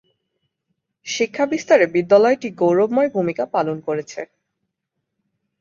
শিক্ষা বিস্তারে বিদ্যালয়টি গৌরবময় ভূমিকা পালন করছে।